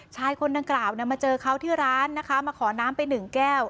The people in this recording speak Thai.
ชายคนดังกล่าวมาเจอเขาที่ร้านนะคะมาขอน้ำไปหนึ่งแก้ว